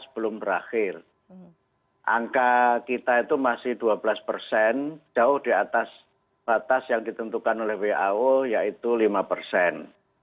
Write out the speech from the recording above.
belum berakhir angka kita itu masih dua belas persen jauh di atas batas yang ditentukan oleh wao yaitu lima persen